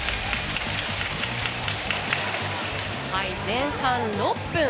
前半６分。